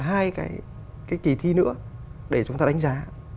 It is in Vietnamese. tức là còn hai cái kỳ thi nữa để chúng ta đánh giá